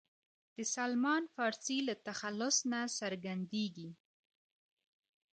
د سلمان فارسي له تخلص نه څرګندېږي.